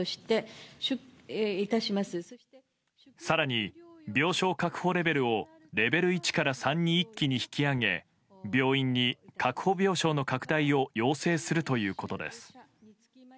更に病床確保レベルをレベル１から３に一気に引き上げ病院に確保病床の拡大を要請するということです。